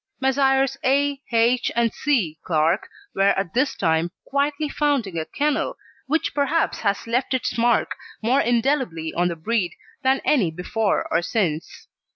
Messrs. A. H. and C. Clarke were at this time quietly founding a kennel, which perhaps has left its mark more indelibly on the breed than any before or since.